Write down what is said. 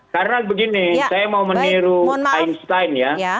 karena begini saya mau meniru einstein ya